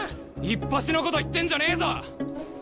イッパシのこと言ってんじゃねえぞ！